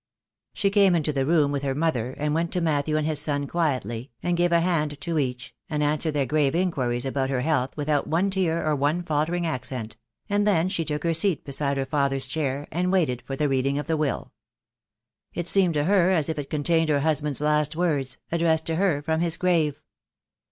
She came into the room writh her mother, and went to Matthew and his son quietly, and gave a hand to each, and answered their grave inquiries about her health without one tear or one faltering accent; and then she took her seat beside her father's chair, and waited for the reading of the will. It seemed to her as if it contained her husband's last words, addressed to her from his grave.